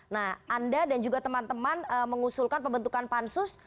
nah anda dan juga teman teman mengusulkan pembentukan pansus